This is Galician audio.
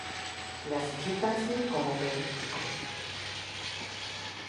Clasifícanse como perítricos.